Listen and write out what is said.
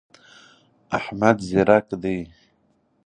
احمد ځیرک دی.